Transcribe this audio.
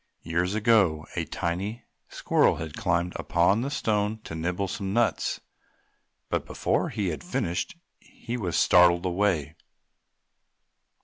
Years ago a tiny squirrel had climbed upon the stone to nibble some nuts, but before he had finished he was startled away.